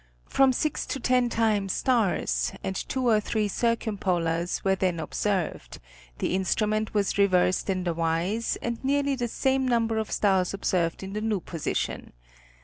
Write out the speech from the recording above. From six to ten time stars, and two or three circumpolars were then observed, the instrument was reversed in the Ys and nearly the same number of stars observed in the new position.